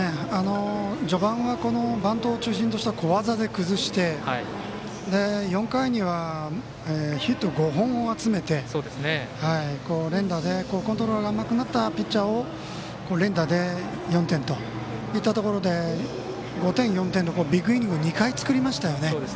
序盤は、バントを中心とした小技で崩して４回にはヒット５本を集めて連打でコントロールが甘くなったピッチャーを連打で４点といったとこで５点、４点のビッグイニングを２回、作りましたよね。